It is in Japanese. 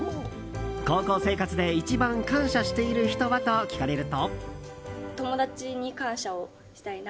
高校生活で一番感謝している人は？と聞かれると。